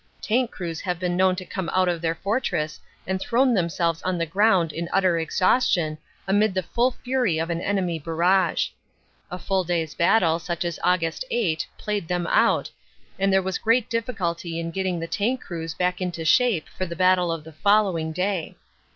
Tank crews have been known to come out of their fortress and thrown themselves on the ground in utter exhaustion amid the full fury of an enemy barrage. A full day s battle such as Aug. 8, played them out, and there was great difficulty in getting the tank crews back into shape for the battle of the following day.